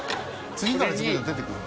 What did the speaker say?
次から次へと出てくるの？